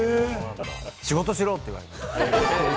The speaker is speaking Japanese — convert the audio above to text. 仕事しろ！って言われます。